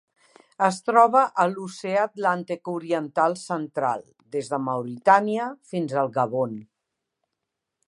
Es troba a l'Oceà Atlàntic oriental central: des de Mauritània fins al Gabon.